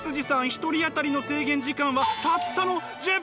一人あたりの制限時間はたったの１０分。